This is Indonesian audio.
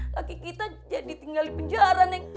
laki kita jadi tinggal di penjara nih